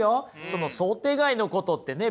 その想定外のことってね